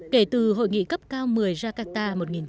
kể từ hội nghị cấp cao một mươi jakarta một nghìn chín trăm chín mươi hai